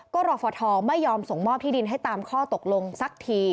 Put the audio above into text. ก็รอฟทไม่ยอมส่งมอบที่ดินให้ตามข้อตกลงสักที